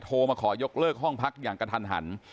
มาขอยกเลิกห้องพักอย่างกระทันหัน